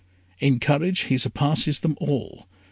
In courage he surpasses them all.